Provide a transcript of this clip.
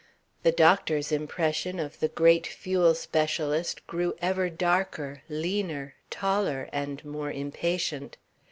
The doctor's impression of the great fuel specialist grew ever darker, leaner, taller and more impatient.